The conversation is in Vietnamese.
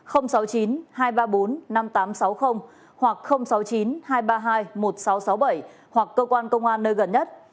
sáu mươi chín hai trăm ba mươi bốn năm nghìn tám trăm sáu mươi hoặc sáu mươi chín hai trăm ba mươi hai một nghìn sáu trăm sáu mươi bảy hoặc cơ quan công an nơi gần nhất